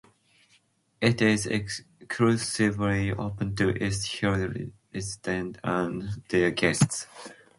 It is exclusively open to East Hills residents and their guests.